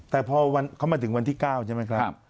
แต่พอเขามาถึงวันที่๙ใช่ไหมครับ